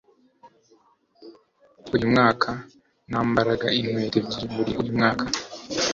Uyu mwaka nambaraga inkweto ebyiri muri uyu mwaka.